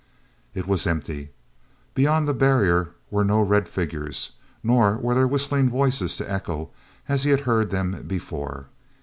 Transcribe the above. It was empty. Beyond the barrier were no red figures, nor were there whistling voices to echo as he had heard them before.